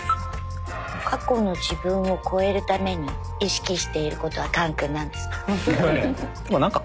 過去の自分を超えるために意識していることは観君なんですか？